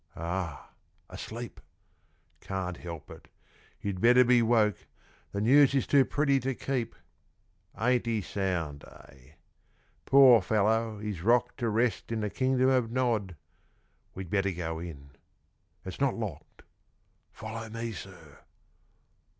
Ah! asleep. Can't help it you'd better be woke; The news is too pretty to keep. Ain't he sound, eh? Poor fellow, he's rocked To rest in the Kingdom of Nod. We'd better go in. It's not locked. Follow me, sir.